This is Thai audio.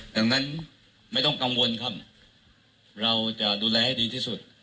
ดังนั้นไม่ต้องกังวลครับเราจะดูแลให้ดีที่สุด